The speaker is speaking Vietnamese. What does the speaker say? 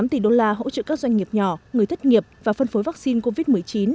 bảy trăm bốn mươi tám tỷ đô la hỗ trợ các doanh nghiệp nhỏ người thất nghiệp và phân phối vaccine covid một mươi chín